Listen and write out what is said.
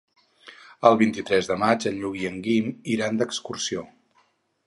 El vint-i-tres de maig en Lluc i en Guim iran d'excursió.